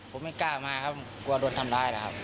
ผมไม่กล้ามาครับกลัวโดนทำร้ายแล้วครับ